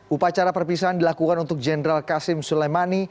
upacara perpisahan dilakukan untuk general qasim soleimani